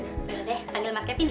ya deh panggil mas kevin ya